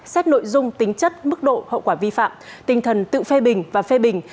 xét nội dung tính chất mức độ hậu quả vi phạm tinh thần tự phê bình và phê bình